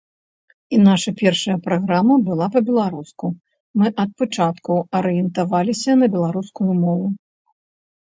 І наша першая праграма была па-беларуску, мы ад пачатку арыентаваліся на беларускую мову.